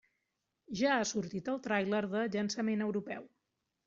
Ja ha sortit el tràiler de llançament europeu.